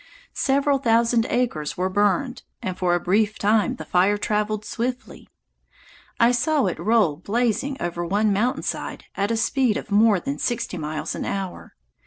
Several thousand acres were burned, and for a brief time the fire traveled swiftly. I saw it roll blazing over one mountain side at a speed of more than sixty miles an hour.